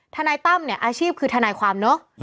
ทนายตั้มเนี่ยอาชีพคือทนายความเนอะ